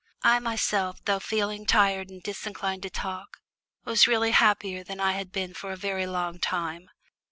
I myself, though feeling tired and disinclined to talk, was really happier than I had been for a very long time.